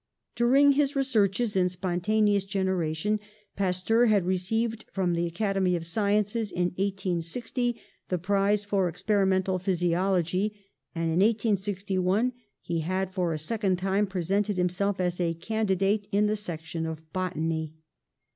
During his researches in spontaneous gen eration Pasteur had received from the Academy of Sciences, in 1860, the prize for experimental physiology, and in 1861 he had for a second time presented himself as a candidate in the section of botany.